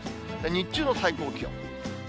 日中の最高気温。